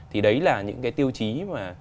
thì đấy là những cái tiêu chí mà